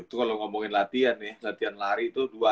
itu kalau ngomongin latihan ya latihan lari tuh